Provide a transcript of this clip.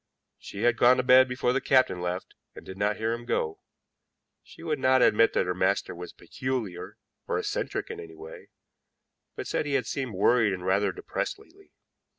She had gone to bed before the captain left, and did not hear him go. She would not admit that her master was peculiar or eccentric in any way, but said he had seemed worried and rather depressed lately.